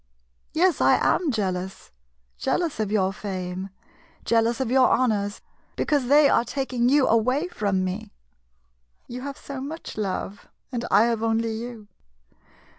>' Yes, I am jealous — jealous of your fame jealous of your honors, because they are tak ing you away from me. You have so much, love, and I have only you